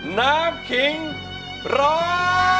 น้ำขิงร้อง